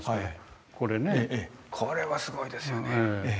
これはすごいですよね。